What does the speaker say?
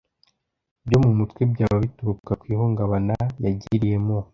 byo mu mutwe byaba bituruka ku ihungabana yagiriye mu